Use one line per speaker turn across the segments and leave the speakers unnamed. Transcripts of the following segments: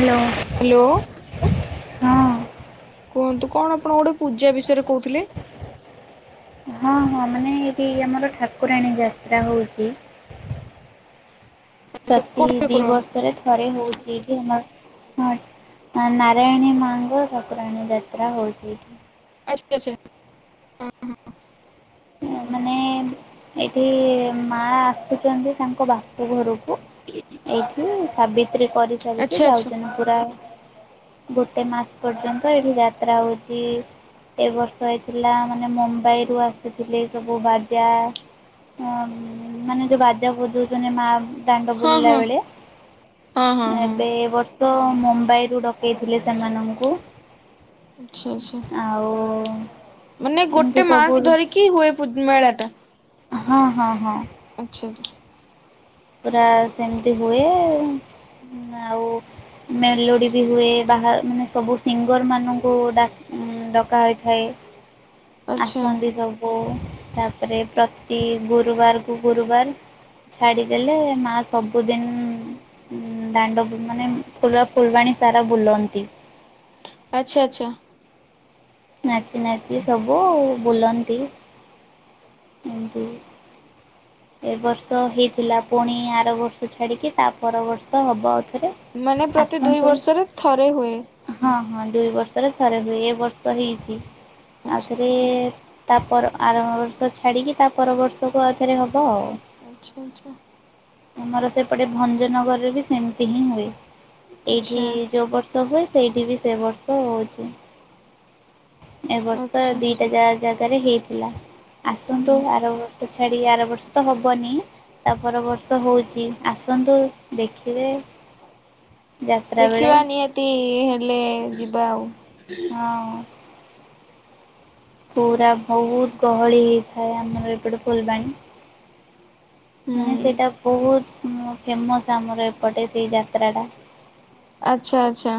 Hello
hello.
ହଁ।
କୁହନ୍ତୁ କଣ ଆପଣ ଗୋଟେ ପୂଜା ବିଷୟରେ କହୁଥିଲେ।
ହଁ ହଁ ମାନେ ଏଠି ଆମର ଠାକୁରାଣୀ ଯାତ୍ରା ହଉଛି।
ଆଚ୍ଛା
ପ୍ରତି
କୋଉ
ଦି
ଠାକୁର
ବର୍ଷରେ ଥରେ ହଉଛି। ମ ନାରାୟଣୀ ମାଙ୍ଗ ଠକୁୁରଣୀ ଯାତ୍ରା ହଉଛି ଏଇଠି।
[inaudible] ହ ହ।
ମାନେ ଏଠି ମା ଆସୁଛନ୍ତି ତାଙ୍କ ବାପ ଘରକୁ। ଏଇଠି ସାବିତ୍ରୀ କରିସାରିକି
ଆଚ୍ଛା ଆଚ୍ଛା
ଯାଉଛନ୍ତି ପୁରା ଗୋଟେ ମାସ ପର୍ଯ୍ୟନ୍ତ ଏଠି ଯାତ୍ରା ହଉଛି। ଏ ବର୍ଷ ହେଇଥିଲା ମାନେ ମୁମ୍ବାଇ ରୁ ଆସ ଥିଲେ ସବୁ ବାଜା ମାନେ ଯେଉଁ ବାଜା ବଜାଉଛନ୍ତି ମା ଦାଣ୍ଡ
ହଁ
ବୁଲିଲା
ହଁ
ବେଳେ,
ହଁ ହଁ ହଁ
ଏବେ ବର୍ଷ ତ ମୁମ୍ବାଇରୁ ଡକେଇଥିଲେ ସେମାନଙ୍କୁ,
ଆଚ୍ଛା ଆଚ୍ଛା
ଆଉ
ମାନେ
ଏମିତି
ଗୋଟେ
ସବୁ
ମାସ ଧରିକି ହୁଏ ପୁ ମେଳା ଟା।
ହଁ ହଁ ହଁ।
ଆଛା ଆଛା।
ପୁରା ସେମିତି ହୁଏ, ଆଉ ମେଲୋଡ଼ି ବି ହୁଏ ବାହା ମାନେ ସବୁ ସିଙ୍ଗର ମାନଙ୍କୁ ଡକ ଡକା ହୋଇଥାଏ।
ଆଚ୍ଛା
ଆସନ୍ତି ସବୁ। ତାପରେ ପ୍ରତି ଗୁରୁବାରକୁ ଗୁରୁବାର ଛାଡି ଦେଲେ ମା ସବୁଦିନ ଦାଣ୍ଡ ମାନେ ପୁରା ଫୁଲବାଣୀ ସାରା ବୁଲନ୍ତି।
ଆଚଛା ଆଚଛା।
ନାଚି ନାଚି ସବୁ ବୁଲନ୍ତି। ଏମତି। ଏ ବର୍ଷ ହେଇଥିଲା ପୁଣି ଆର ବର୍ଷ ଛାଡିକି ତା ପର ବର୍ଷ ହବ
ମାନେ ପ୍ରତି ଦୁଇ
ଆସନ୍ତୁ,
ବର୍ଷରେ ଥରେ ହୁଏ
ହ ହ ଦୁଇ ବର୍ଷରେ ଥରେ ହୁଏ ଏ ବର୍ଷ ହେଇଛି,
ଆଚ୍ଛା
ଆଉଥରେ ତା ପର ଆରମ୍ଭ ବର୍ଷ ଛାଡିକି ତା ପର ବର୍ଷକୁ ଆଉଥରେ ହବ ଆଉ।
ଆଚ୍ଛା ଆଚ୍ଛା।
ଆମର ସେପଟେ ଭଞ୍ଜନଗରରେ ବି ସେମିତି ହିଁ ହୁଏ, ଏଇଠି
ଆଚ୍ଛା
ଯୋଉ ବର୍ଷ ହୁଏ ସେଇଠି ବି ସେ ବର୍ଷ ହେଉଛି। ଏ ବର୍ଷ
ଆଚ୍ଛା ଆଚ୍ଛା
ଦିଟା ଜା-ଜାଗାରେ ହେଇଥିଲା, ଆସନ୍ତୁ
ହୁଁ
ଆର ବର୍ଷ ଛାଡିକି ଆର୍ ବର୍ଷ ତ ହବନି ତାପର ବର୍ଷ ହଉଛି, ଆସନ୍ତୁ ଦେଖିବେ। ଯାତ୍ରା ବେଳେ
ଦେଖିବା ନିହାତି ହେଲେ ଯିବା ଆଉ।
ହଁ। ପୁରା ବହୁତ ଗହଳି ହେଇଥାଏ। ଆମର ଏପଟେ ଫୁଲବାଣୀ। ମାନେ
ହୁଁ
ସେଇଟା ବହୁତ ଫେମସ୍ ଆମର ଏପଟେ ସେଇ ଯାତ୍ରାଟା।
ଆଚ୍ଛା ଆଚ୍ଛା।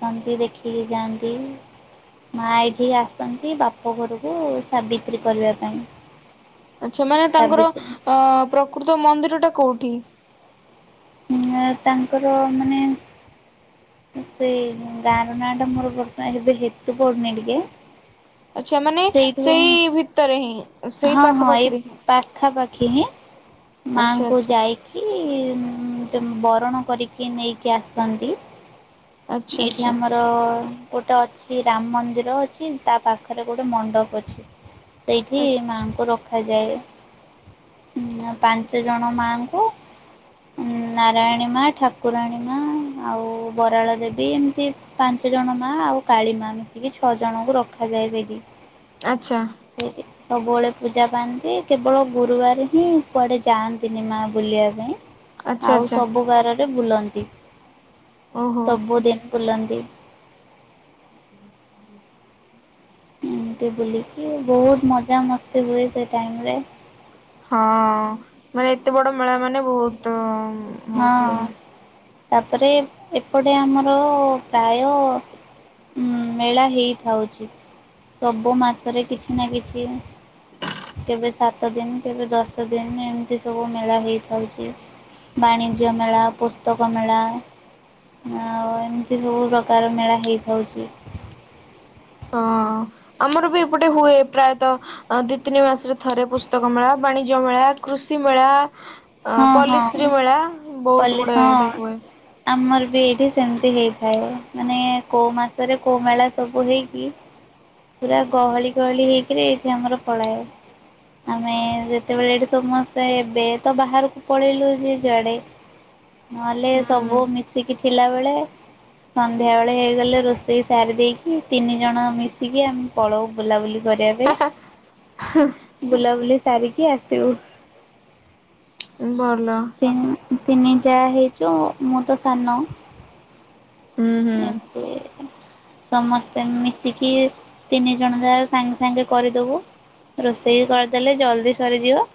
ସନ୍ତି ଦେଖିକି ଯାଆନ୍ତି। ମା ଏଇଠିକି ଆସନ୍ତି ବାପ ଘରୁକୁ ସାବିତ୍ରୀ କରିବା ପାଇଁ।
ଆଛା ମାନେ ତାଙ୍କର
ସାବିତ୍ରୀ
ଅ ପ୍ରକୃତ ମନ୍ଦିର ଟା କୋଉଠି?
ଉଁ ତାଙ୍କର ମାନେ ସେଇ ଗାଁର ନାଁ ଟା ମୋର ବର୍ତ ଏବେ ହେତୁ ପଡୁନି ଟିକେ।
ଆଚ୍ଛା ମାନେ
ସେଇଠି
ସେଇ ଭିତରେ ହିଁ
ପାଇଁ
ସେଇ
ହଁ ହଁ ଏଇ
ପାଖାପାଖିରେ ହିଁ
ପାଖାପାଖି ହିଁ।
ଆଚ୍ଛା
ମାଙ୍କୁ
ଆଚ୍ଛା।
ଯାଇକି ବରଣ କରିକି ନେଇକି ଆସନ୍ତି।
ଆଚ୍ଛା
ଏଇଠି
ଆଚ୍ଛା
ଆମର ଗୋଟେ ଅଛି ରାମ ମନ୍ଦିର ଅଛି ତା ପାଖରେ ଗୋଟେ ମଣ୍ଡପ ଅଛି। ସେଇଠି
ଆଚ୍ଛା
ମାଙ୍କୁ ରଖାଯାଏ। ଉଁ ପାଞ୍ଚ ଜଣ ମାଙ୍କୁ। ଉଁ ନାରାୟଣୀ ମା ଠାକୁରାଣୀ ମା ଆଉ ବରାଳ ଦେବୀ ବି ଏମିତି ପାଞ୍ଚ ଜଣ ମା ଆଉ କାଳି ମା ମିଶିକି ଛଅ ଜଣଙ୍କୁ ରଖାଯାଏ ସେଇଠି।
ଆଚ୍ଛା।
ସେଇଠି ସବୁବେଳେ ପୂଜା ପାଆନ୍ତି। କେବଳ ଗୁରୁବାର ହିଁ କୁଆଡ଼େ ଯାଆନ୍ତିନି ମା ବୁଲିବା ପାଇଁ।
ଆଚ୍ଛା
ଆଉ
ଆଚ୍ଛା
ସବୁ ଗାରରେ ବୁଲନ୍ତି।
ଓହୋ।
ସବୁଦିନ ବୁଲନ୍ତି। ଏମିତି ବୁଲିକି ବହୁତ ମଜାମସ୍ତି ହୁଏ ସେ ଟାଇମରେ।
ହଁ ମାନେ ଏତେ ବଡ ମେଳା ମାନେ ବହୁତ ହଉଥିବ
ହଁ।
ଇଏ।
ତାପରେ ଏପଟେ ଆମର ପ୍ରାୟ ଉଁ ମେଳା ହେଇଥାଉଚି ସବୁ ମାସରେ କିଛି ନା କିଛି। କେବେ ସାତ ଦିନ କେବେ ଦଶ ଦିନ ଏମିତି ସବୁ ମେଳା ହେଇଥାଉଚି। ବାଣିଜ୍ୟ ମେଳା, ପୁସ୍ତକ ମେଳା। ଆଉ ଏମିତି ସବୁ ପ୍ରକାର ମେଳା ହେଇଥାଉଚି।
ହ ଆମର ବି ଏପଟେ ହୁଏ ପ୍ରାୟତଃ ଦି ତିନି ମାସରେ ଥରେ ପୁସ୍ତକ ମେଳା, ବାଣିଜ୍ୟ ମେଳା। କୃଷି ମେଳା, ଅ
ହଁ ହଁ
ପଲିଶ୍ରୀ ମେଳା ବହୁତ
ପଲିସ୍
ଗୁଡ଼ାଏ ଏଠି
ହଁ।
ହୁଏ।
ଆମର ବି ଏଇଠି ସେମିତି ହେଇଥାଏ ମାନେ କୋଉ ମାସରେ କୋଉ ମେଳା ସବୁ ହେଇକି। ପୁରା ଗହଳି ଗହଳି ହେଇକିରି ଏଇଠି ଆମର ପଳାଏ। ଆମେ ଯେତେବେଳେ ଏଠି ସମସ୍ତେ ଏବେ ତ ବାହାରକୁ ପଳେଇଲୁ ଯେ ଯୁଆଡେ। ନହେଲେ ସବୁ
ହୁଁ
ମିଶିକି ଥିଲା ବେଳେ ସନ୍ଧ୍ୟା ବେଳେ ହେଇଗଲେ ରୋଷେଇ ସାରି ଦେଇକି ତିନି ଜଣ ମି ଶିକି ଆମେ ପଳଉ ବୁଲାବୁଲି କରିବା ପାଇଁ ବୁଲାବୁଲି ସାରିକି ଆସିବୁ।
ବ
ତିନ୍ ତିନି ଯା ହେଇଚୁ ମୁଁ ତ ସାନ।
ହୁଁ ହୁଁ
ଏତେ ସମସ୍ତେ ମିଶିକି ତିନି ଜଣ ଯା ସାଙ୍ଗେ ସାଙ୍ଗେ କରିଦବୁ। ରୋଷେଇ କରିଦେଲେ ଜଲ୍ଦି ସରିଯିବ।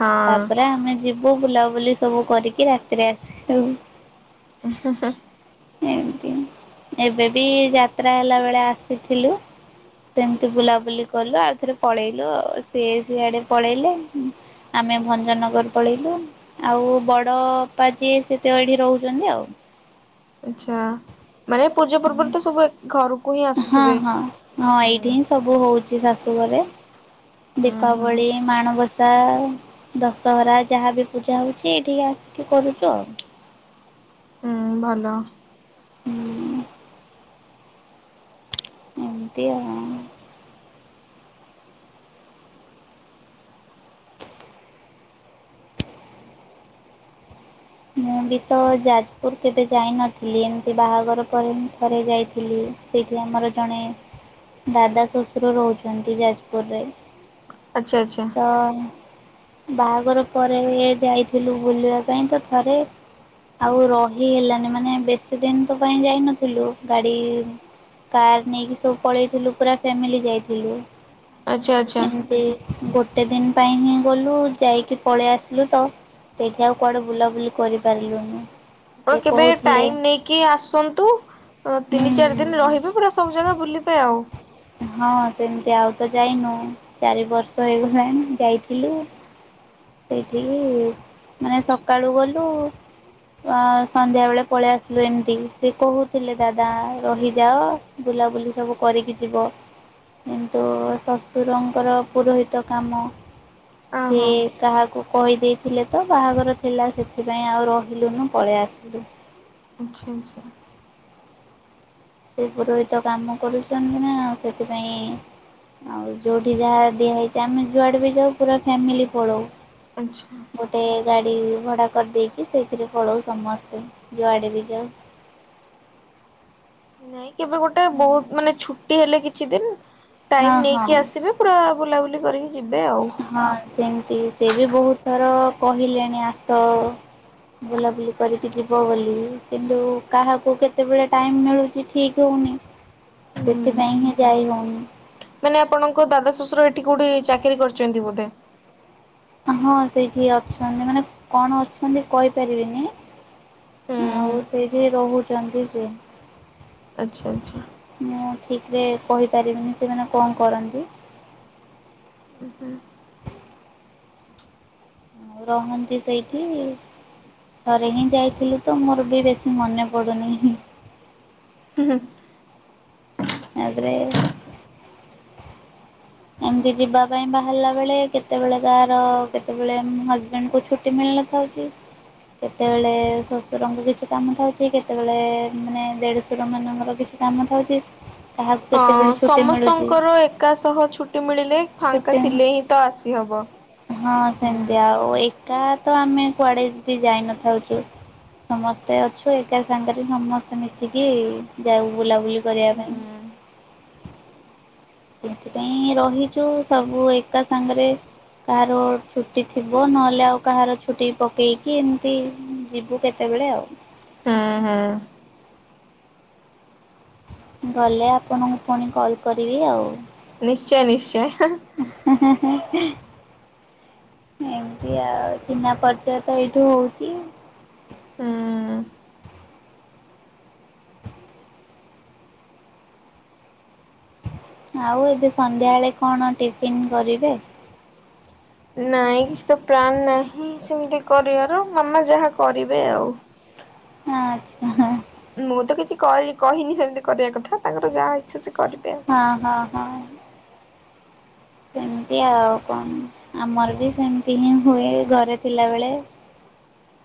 ହଁ।
ତାପରେ ଆମେ ଯିବୁ ବୁଲାବୁଲି ସବୁ କରିକି ରାତିରେ ଆସିବୁ।
ହୁଁ ହୁଁ।
ଏମିତି। ଏବେ ବି ଯାତ୍ରା ହେଲାବେଳେ ଆସିଥିଲୁ। ସେମିତି ବୁଲାବୁଲି କଲୁ ଆଉ ଥରେ ପଳେଇଲୁ ଆଉ ସିଏ ସିଆଡେ ପଳେଇଲେ ଉଁ ଆମେ ଭଞ୍ଜନଗର ପଳେଇଲୁ ଆଉ ବଡ ଅପା ଯିଏ ସିଏତ ଏଠି ରହୁଚନ୍ତି ଆଉ। [inaudible]
ଆଚ୍ଛା ମାନେ ପୂଜା ପର୍ବରେ ତ ସବୁ ଏକ୍ ଘରୁକୁ
ହଁ-ହଁ-ହଁ ଏଇଠି ହିଁ ସବୁ ହଉ ଶାଶୁ ଘରେ
ହୁଁ
ଦୀପାବଳି,
ହୁଁ
ମାଣବସ ସା, ଦଶହରା ଯାହା ବି ପୂଜା ହଉଛି ଏଇଠିକି ଆସିକି କରୁଛୁ ଆଉ। [inaudible]
ହୁଁ ଭଲ।
ହୁଁ। ଏମିତିଅ। ମୁଁ ବି ତ ଯାଜପୁର କେବେ ଯାଇନଥିଲି ଏମିତି ବାହାଘର ପରେ ମୁଁ ଥରେ ଯାଇଥିଲି। ସେଇଠି ଆମର ଜଣେ ଦାଦା ଶଶୁର ରହୁଛନ୍ତି ଯାଜପୁରରେ।
ଆଚ୍ଛା-ଆଚ୍ଛା।
ତ ବାହାଘର ପରେ ଯାଇଥିଲୁ ବୁଲିବା ପାଇଁ ତ ଥରେ ଆଉ ରହି ହେଲାନି ମାନେ ବେଶୀ ଦିନ ତ ପାଇଁ ଯାଇନଥିଲୁ ଗାଡି କାର ନେଇକି ସବୁ ପଳେଇଥିଲୁ ପୁରା ଫ୍ୟାମିଲି ଯାଇଥିଲୁ।
ଆଚ୍ଛା ଆଚ୍ଛା।
ଏମିତି ଗୋଟେ ଗୋଟେ ଦିନ ପାଇଁ ହିଁ ଗଲୁ ଯାଇକି ପଳେଇ ଆସିଲୁ ତ ସେଇଠି ଆଉ କୁଆଡେ ବୁଲା ବୁଲି କରିପାରିଲୁନି।
ଆପଣ
ସେ
କେବେ
କହୁଥିଲେ
ଟାଇମ୍ ନେଇକି ଆସନ୍ତୁ ଅ ତିନି ଚାରି ଦିନ
ହୁଁ
ରହିବେ ପୁରା ସବୁ ଜାଗା ବୁଲିବେ ଆଉ।
ହଁ ସେମିତି ଆଉ ତ ଯାଇନୁ ଚାରି ବର୍ଷ ହେଇଗଲାଣି ଯାଇଥିଲୁ ସେଇଠିକି ମାନେ ସକାଳୁ ଗଲୁ ଅ ସନ୍ଧ୍ୟା ବେଳେ ପଳେଇ ଆସିଲୁ ଏମିତି ସେ କହୁଥିଲେ ଦାଦା ରହିଯାଅ ବୁଲାବୁଲି ସବୁ କରିକି ଯିବ। କିନ୍ତୁ ଶଶୁରଙ୍କର ପୁରୋହିତ କାମ ସିଏ
ଓହୋ
କହିଦେଇଥିଲେ ତ ବାହାଘର ଥିଲା ସେଥିପାଇଁ ଆଉ ରହିଲୁନୁ ପଳେଇ ଆସିଲୁ।
ଆଚ୍ଛା ଆଚ୍ଛା
ସେ ପୁରୋହିତ କାମ କରୁଛନ୍ତି ନା ଆଉ ସେଥିପାଇଁ ଆଉ ଯୋଉଠି ଯାହା ଦିଆ ହେଇଛି ଆମେ ଯୁଆଡେ ବି ଯାଉ ପୁର ଫ୍ୟାମିଲ ପଳଉ।
ଆଚ୍ଛା।
ଗୋଟେ ଗାଡି ଭଡ଼ା କରିଦେଇକି ସେଇଥିରେ ପଳଉ ସମସ୍ତେ ଯୁଆଡେ ବି ଯାଉ।
ନାଇଁ କେବେ ଗୋଟେ ବହୁତ ମାନେ ଛୁଟି ହେଲେ କିଛି ଦିନ
ହଁ
ଟାଇମ
ହଁ
ନେଇକି ଆସିବେ ପୁରା ବୁଲାବୁଲି କରିକି ଯିବେ ଆଉ।
ହଁ ସେମିତି ସେ ବି ବହୁତ ଥର କହିଲେଣି ଆସ ବୁଲାବୁଲି କରିକି ଯିବ ବୋଲି କିନ୍ତୁ କାହାକୁ କେତେବେଳେ ଟାଇମ ମିଳୁଛି ଠିକ ହଉନି।
ହୁଁ
ସେଥିପାଇଁ ହିଁ ଯାଇ ହଉନି।
ମାନେ ଆପଣଙ୍କ ଦାଦା ଶଶୁର ଏଠି କୋଉଠି ଚାକିରି କରିଛନ୍ତି ବୋଧେ।
ହଁ ସେଇଠି ଅଛନ୍ତି ମାନେ କଣ ଅଛନ୍ତି କହିପାରିବିନି
ହୁଁ
ଆଉ ସେଇଠି ରହୁଛନ୍ତି ସେ
ଆଚ୍ଛା-ଆଚ୍ଛା।
ମୁଁ ଠିକ୍ ରେ କହିପାରିବିନି ସିଏ ମାନେ କଣ କରନ୍ତି।
ଉ ହୁଁ।
ଆ ରହନ୍ତି ସେଇଠି ଥରେ ହିଁ ଯାଇଥିଲୁ ତ ମୋର ବି ବେଶୀ ମନେ ପଡ଼ୁନି।
ହୁଁ।
ତାପରେ ଏମିତି ଯିବା ପାଇଁ ବାହାରିଲା ବେଳେ କେତେବେଳେ କାହାର କେତେବେଳେ ହଜବେଣ୍ଡଙ୍କୁ ଛୁଟି ମିଳ [unintelligible] କେତେବେଳେ ଶଶୁରଙ୍କ କିଛି କାମ ରହୁଛି କେତେବେଳେ ମାନେ ଦେଢଶୁର ମାନଙ୍କର କିଛି କାମ ଥାଉଛି ତାହାକୁ କେତେବେଳେ ଛୁଟି ମିଳୁଛି
ସମସ୍ତଙ୍କର ଏକା ସହ ଛୁଟି ମିଳିଲେ ଫାଙ୍କା
ଛୁଟି
ଥିଲେ ହିଁ ତ ଆସିହବ।
ହଁ
ହୁଁ
ସେମିତି ଆଉ ଏକ କା ତ ଆମେ କୁଆଡେ ବି ଯାଇ ନଥାଉଛୁ। ସମସ୍ତେ ଅଛୁ ଏକା ସାଙ୍ଗରେ ସମସ୍ତେ ମିଶିକି ଯାଉ ବୁଲାବୁଲି କରିବା
ହୁଁ
ପାଇଁ। ସେଥିପାଇଁ ରହିଛୁ ସବୁ ଏକା ସାଙ୍ଗରେ କାହାର ଛୁଟି ଥିବ, ନହେଲେ ଆଉ କାହାର ଛୁଟି ପକେଇକି, ଏମିତି ଯିବୁ କେତେ ବେଳେ ଆଉ।
ହୁଁ ହୁଁ।
ଗଲେ ଆପଣଙ୍କୁ ପୁଣି କଲ୍ କରିବି ଆଉ।
ନିଶ୍ଚୟ ନିଶ୍ଚୟ।
ଏ ଏଁ ଏମତି ଆଉ ଚିହ୍ନା ପରିଚୟ ତ ଏଇଠୁ ହଉଛି ଆଉ ଏବେ ସନ୍ଧ୍ୟାବେଳେ କଣ ଟିଫିନ୍ କରିବେ?
ନାଇଁ କିଛି ତ ପ୍ଲାନ୍ ନାହିଁ ସେମିତି କରିବାର ମାମା ଯାହା କରିବେ ଆଉ।
ଆଚ୍ଛା ହଁ।
ମୁଁ ତ କିଛି କରି କହିନି ସେମିତି କରିବା କଥା ତାଙ୍କର ଯାହା ଇଚ୍ଛା ସେ କରିବେ
ହଁ ହଁ ହଁ। ସେମିତି ଆଉ କଣ ଆମର ବି ସେମିତି ହିଁ ହୁଏ ଘରେ ଥିଲାବେଳେ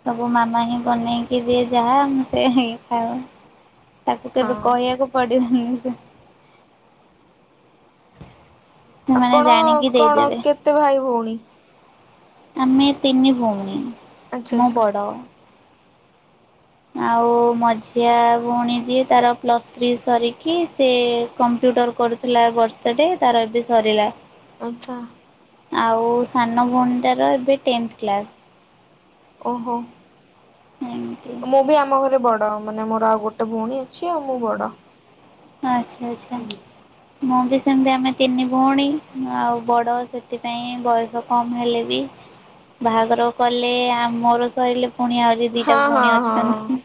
ସବୁ ମାମା ହିଁ ବନେଇକି ଦିଏ ଯାହା ଆମେ ସେୟା ହିଁ ଖାଉ। ତାକୁ
ଆଉ
କେବେ
ହଁ।
କହିବାକୁ ପଡିବନି ସେ ସେମାନେ
ଆପଣ
ଜାଣିକି
କଣ
ଦେଇଦେବେ।
କେତେ ଭାଇ ଭଉଣୀ?
ଆମେ ତିନି ଭଉଣୀ
ଆଚ୍ଛା
ମୁଁ
ଆଚ୍ଛା
ବଡ଼। ଆଉ ମଝିଆ ଭଉଣୀ ଯିଏ ତାର ପ୍ଲସ୍ ଥ୍ରୀ ସରିକି, ସେ କମ୍ କମ୍ପ୍ୟୁଟର କରୁଥିଲା ଏ ବର୍ଷ ଟେ, ତାର ଏବେ ସରିଲା।
ଆଚ୍ଛା।
ଆଉ ସାନ ଭଉଣୀଟାର ଏବେ ଟେନ୍ଥ କ୍ଲାସ୍।
ଓହୋ
ଏମିତି
ମୁଁ ବି ଆମ ଘରେ ବଡ୍ ଡ଼ ମାନେ ମୋର ଆଉ ଗୋଟେ ଭଉଣୀ ଅଛି, ଆଉ ମୁଁ ବଡ।
ଆଚ୍ଛା ଆଚ୍ଛା ମୁଁ ବି ସେ ସେମତି ଆମେ ତିନି ଭଉଣୀ ଆଉ ବଡ଼ ସେଥିପାଇଁ ବୟସ କମ୍ ହେଲେ ବି ବାହାଘର କଲେ, ଆ ମୋର ସଇଲେ ପୁଣି ଆହୁରି ଦିଟା
ହଁ
ଭଉଣୀ
ହଁ ହଁ
ଅଛନ୍ତି,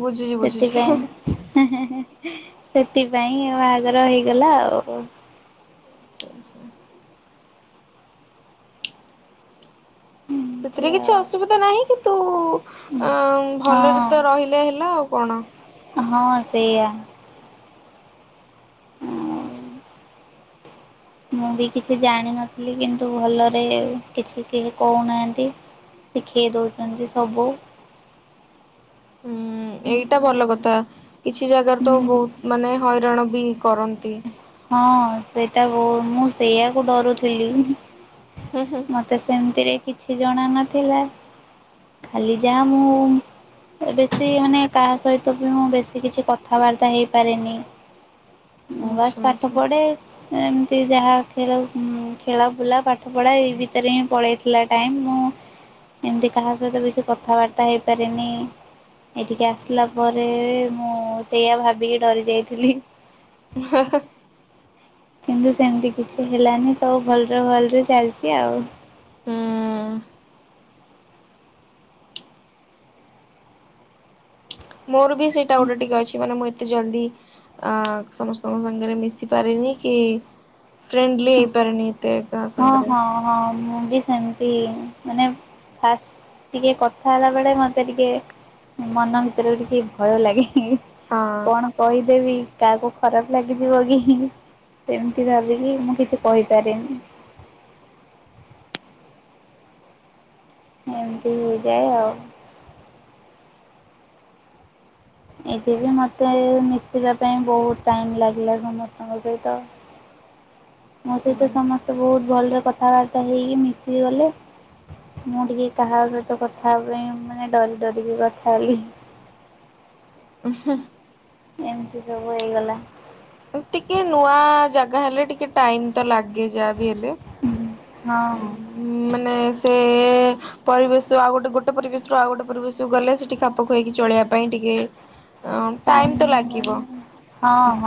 ବୁଝୁଛି ବୁଝୁଛି। ଆଚ୍ଛା
ସେଥିପାଇଁ ହେଁ ହେଁ ସେଥିପାଇଁ ବାହାଘର ହେଇଗଲା ଆଉ।
ଆଚ୍ଛା ଆଚ୍ଛା।
ଏମିତି
ସେଥିରେ
ଆଉ
କିଛି ଅସୁବିଧା ନାହିଁ କିନ୍ତୁ ଅ ଭଲରେ ତ ରହିଲେ ହେଲା ଆଉ କଣ? ହଁ।
ହଁ ସେଇଆ ମୁଁ ବି କିଛି ଜାଣିନଥିଲି କିନ୍ତୁ ଭଲରେ କିଛି କେହି କହୁନାହାଁନ୍ତି ଶିଖେଇ ଦଉଚନ୍ତି ଯେ ସବୁ
ହୁଁ ଏଇଟା ଭଲ କଥା। କିଛି ଜାଗାରେ ତ
ହୁଁ
ବହୁତ ମାନେ ହଇରାଣ ବି କରନ୍ତି।
ହଁ ସେଇଟା ବହୁ ମୁଁ ସେଇଆକୁ ଡରୁଥିଲି
ହୁଁ ହୁଁ
ମତେ ସେମତିରେ କିଛି ଜଣାନଥିଲା ଖାଲି ଯାହା ମୁଁ ବେଶୀ ମାନେ କାହା ସହିତ ବି ମୁଁ ବେଶୀ କିଛି କଥାବାର୍ତ୍ତା ହେଇପାରେନି ବାସ୍
ଆଚ୍ଛା
ପାଠ
ଆଚ୍ଛା ହୁଁ।
ପଢେ ଏମତି ଯାହା ଖେଳଉ, ଖେଳ ବୁଲା ପାଠପଢ଼ା ଏଇ ଭିତରେ ହିଁ ପଳେଇଥିଲା ଟାଇମ୍ ମୁଁ ଏମତି କାହା ସହିତ ବେଶୀ କଥାବାର୍ତ୍ତା ହେଇପାରେନି ଏଠିକି ଆସିଲା ପରେ ମୁଁ ସେଇଆ ଭାବିକି ଡରି ଯାଇଥିଲି
ହ-ହ
କିନ୍ତୁ ସେମିତି କିଛି ହେଲାନି ସବୁ ଭଲରେ ଭଲରେ ଚାଲଚି ଆଉ।
ମୋର ବି ସେଇଟା ଗୋଟେ ଟିକେ ଅଛି ମାନେ ମୁଁ ଏତେ ଏତେ ଜଲଦି ଆ ସମସ୍ତଙ୍କ ସାଙ୍ଗରେ ମିଶି ପାରେନି କି ଫ୍ରେଣ୍ଡଲି ହେଇପାରେନି ଏତେ କାହା
ହଁ-
ସାଙ୍ଗରେ
ହଁ- ହଁ- ମୁଁ ବି ସେମତି ମାନେ ଫାଷ୍ଟ ଟିକେ କଥା ହେଲା ବଳେ ମତେ ଟିକେ ମନ ଭିତରେ ବି ଟିକେ ଭୟ ଲାଗେନି, କଣ କହିଦେବି କାହାକୁ ଖରାପ ଲାଗିଯିବ କି? ସେମତି ଭାବିକି ମୁଁ କିଛି କହିପାରେନି। ଏମିତି ହେଇଯାଏ ଆଉ ଏଠି ବି ମତେ ମିଶିବା ପାଇଁ ବହୁତ ଟାଇମ ଲାଗିଲା ସମସ୍ତଙ୍କ ସହିତ [inaudible] ମୋ ସହିତ
ହଁ।
ସମସ୍ତେ ବହୁତ ଭଲରେ କଥାବାର୍ତ୍ତା ହେଇକି ମିଶିଗଲେ। ମୁଁ ଟିକେ କାହା ସହିତ କଥା ହେବା ପାଇଁ ମାନେ ଡରି ଡରିକି କଥା ହେଲି [inaudible]
ଉଁ ହୁଁ
ଏମତି ସବୁ ହେଇଗଲା।
ବାସ୍ ଟିକେ ନୂଆ ଜାଗା ହେଲେ ଟିକେ ଟାଇମ ତ ଲାଗେ ଯାହା ବି ହେଲେ।
ହଁ।
ମାନେ ସେ ପରିବେଶ ଆଉ ଗୋଟେ ଗୋଟେ ପରିବେଶରୁୁ ଆଉ ଗୋଟେ ପରିବେଶ ଗଲେ ସେଠି ଖାପ ଖୁଆଇ ଚଳିଆ ବା ପାଇଁ ଟିକେ ତ
ଟାଇମ
ଲାଗିବ।
ମାନେ ହଁ